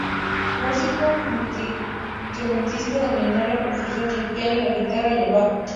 Músico multiinstrumentista, dominó la percusión, el piano, la guitarra, y el bajo.